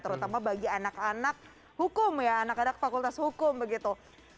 terutama bagi anak anak hukum ya anak anak fakultas hukum begitu